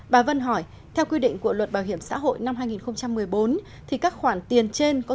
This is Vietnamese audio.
bà vân hỏi theo quy định của luật bảo hiểm xã hội năm hai nghìn một mươi bốn